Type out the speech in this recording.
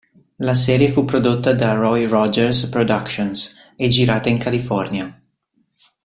La serie fu prodotta da Roy Rogers Productions e girata in California.